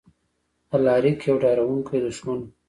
الاریک یو ډاروونکی دښمن و.